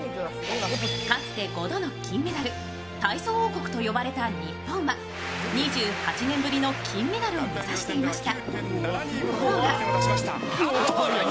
かつて５度の金メダル体操王国と呼ばれた日本は２８年ぶりの金メダルを目指していました。